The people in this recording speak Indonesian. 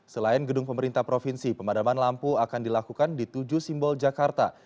selain gedung pemerintah provinsi pemadaman lampu akan dilakukan di tujuh simbol jakarta